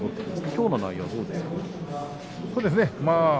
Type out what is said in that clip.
きょうの内容はどうですか。